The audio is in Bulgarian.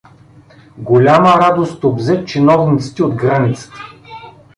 Голяма радост обзе чиновниците от границата.